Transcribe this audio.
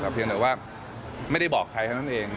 แต่เพียงแต่ว่าไม่ได้บอกใครเท่านั้นเอง